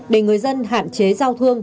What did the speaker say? để người dân hạn chế giao thương